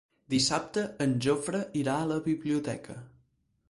Dissabte en Jofre irà a la biblioteca.